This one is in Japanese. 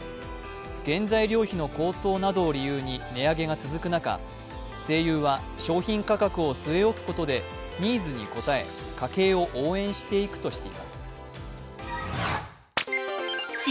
原材料費の高騰などを理由に値上げが続く中西友は商品価格を据え置くことでニーズに応え家計を応援していくとしています。